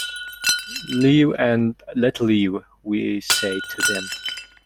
Live and let live, we say to them.